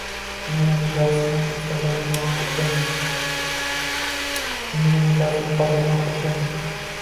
Uning rizosini qozonmoq uchun